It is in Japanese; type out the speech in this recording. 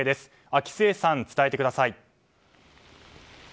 秋末さん、伝えてください。